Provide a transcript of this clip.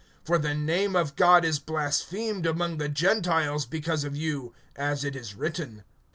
(24)For, the name of God is blasphemed among the Gentiles because of you, as it is written.